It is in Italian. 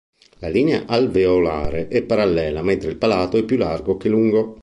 La linea alveolare è parallela, mentre il palato è più largo che lungo.